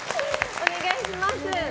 お願いします！